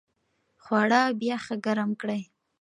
خواړه بیا ښه ګرم کړئ.